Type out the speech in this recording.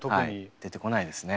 出てこないですね。